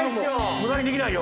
無駄にできないよ。